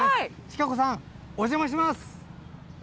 親子さん、お邪魔します。